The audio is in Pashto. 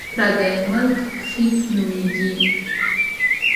پردی ملک خیګ نومېږي.